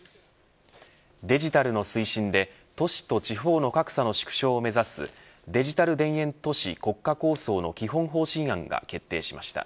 デジタルの推進で都市と地方の格差の縮小を目指すデジタル田園都市国家構想の基本方針案が決定しました。